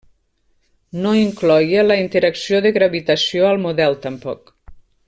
No incloïa la interacció de gravitació al model tampoc.